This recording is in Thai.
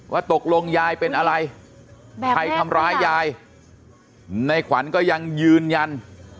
ว่าตกลงยายเป็นอะไรใครทำร้ายยายในขวัญก็ยังยืนยัน